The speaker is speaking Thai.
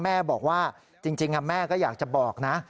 แม่บอกว่าจริงแม่ก็อยากจะบอกนะ